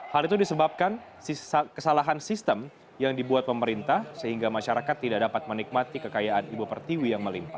hal itu disebabkan kesalahan sistem yang dibuat pemerintah sehingga masyarakat tidak dapat menikmati kekayaan ibu pertiwi yang melimpa